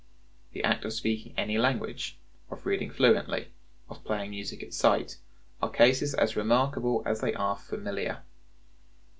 The act of speaking any language, of reading fluently, of playing music at sight, are cases as remarkable as they are familiar.